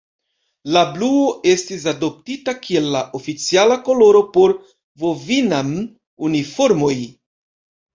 La bluo estis adoptita kiel la oficiala koloro por Vovinam-uniformoj.